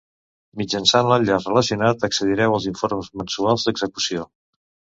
Mitjançant l'enllaç relacionat accedireu als informes mensuals d'execució.